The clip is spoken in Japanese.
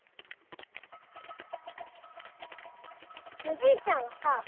おじいちゃんはさ